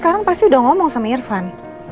sekarang pasti udah ngomong sama irfan